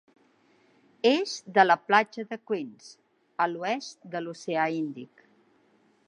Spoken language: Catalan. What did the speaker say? És de la platja de Quinns i a l'oest de l'oceà Índic.